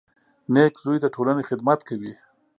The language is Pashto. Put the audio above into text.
• نېک زوی د ټولنې خدمت کوي.